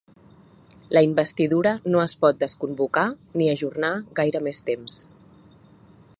La investidura no es pot desconvocar ni ajornar gaire més temps.